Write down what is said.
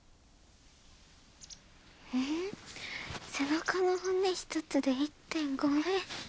背中の骨一つで１．５ｍ。